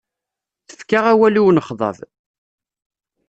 Tefka awal i unexḍab.